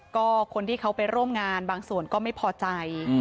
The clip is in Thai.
ก็คนที่เขาไปร่วมงานบางส่วนก็ไม่พอใจ